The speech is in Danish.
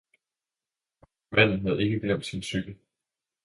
Manden havde ikke glemt sin cykel